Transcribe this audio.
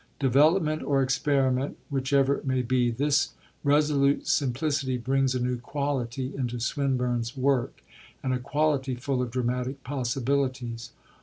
Development or experiment, whichever it may be, this resolute simplicity brings a new quality into Swinburne's work, and a quality full of dramatic possibilities.